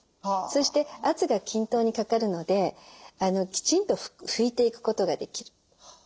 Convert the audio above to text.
そして圧が均等にかかるのできちんと拭いていくことができる。